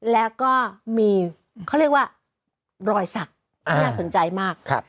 แล้วก็มีเขาเรียกว่ารอยสักที่น่าสนใจมาก